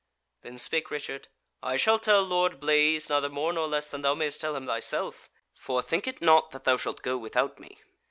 Then spake Richard: "I shall tell Lord Blaise neither more nor less than thou mayst tell him thyself: for think it not that thou shalt go without me.